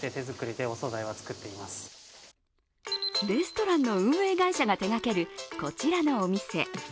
レストランの運営会社が手がけるこちらのお店。